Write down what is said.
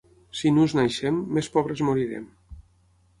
Si nus naixem, més pobres morirem.